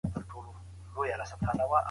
دا ګيردی شکل دئ.